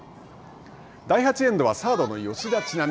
第８エンドはサードの吉田知那美。